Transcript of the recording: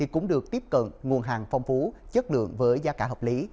cũng được tiếp cận nguồn hàng phong phú chất lượng với giá cả hợp lý